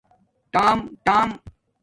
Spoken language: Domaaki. ٹآم ٹآم